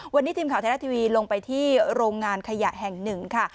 วันนี้ทีมข่าวไทยรัฐทีวีลงไปที่โรงงานขยะแห่งหนึ่งค่ะ